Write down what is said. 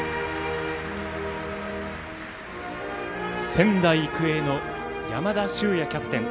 仙台育英の山田修也キャプテン。